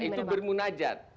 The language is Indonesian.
ya itu bermunajat